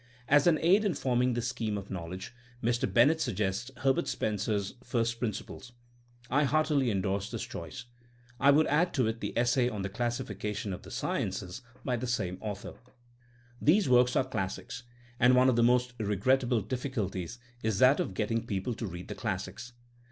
'*^ As an aid in form ing this scheme of knowledge, Mr. Bennett sug gests Herbert Spencer's First Principles. I heartily endorse his choice. I would add to it the essay on The Classification of the Sciences by the same author. i Literary Taste. THINEmO AS A 8CIEN0E 233 These works are classics, and one of the most regrettable of difficulties is that of getting peo ple to read the classics.